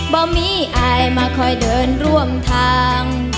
บ่มีอายมาคอยเดินร่วมทาง